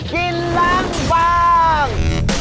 กินล้างบาง